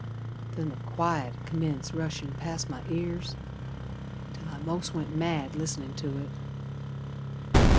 Then the quiet 'ud commence rushin' past my ears Till I most went mad listenin' to it.